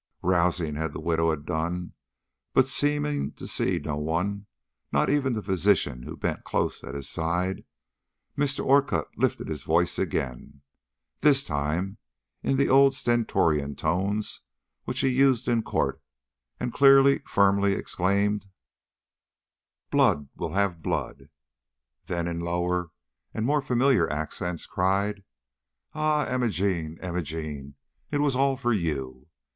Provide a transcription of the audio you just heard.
Rousing as the widow had done, but seeming to see no one, not even the physician who bent close at his side, Mr. Orcutt lifted his voice again, this time in the old stentorian tones which he used in court, and clearly, firmly exclaimed: "Blood will have blood!" Then in lower and more familiar accents, cried: "Ah, Imogene, Imogene, it was all for you!"